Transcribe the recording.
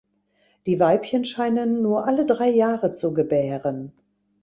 Die Weibchen scheinen nur alle drei Jahre zu gebären.